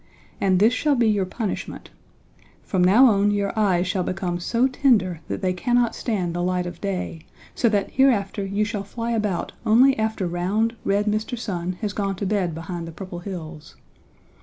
And this shall be your punishment: From now on your eyes shall become so tender that they cannot stand the light of day, so that hereafter you shall fly about only after round, red Mr. Sun has gone to bed behind the Purple Hills.